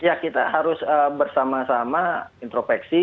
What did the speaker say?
ya kita harus bersama sama intropeksi